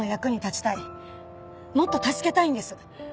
もっと助けたいんです。